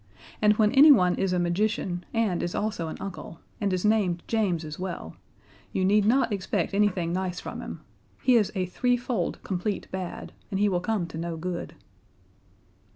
And when anyone is a magician, and is also an uncle, and is named James as well, you need not expect anything nice from him. He is a Threefold Complete Bad and he will come to no good.